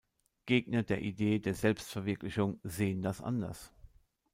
Gegner der Idee der Selbstverwirklichung sehen das anders.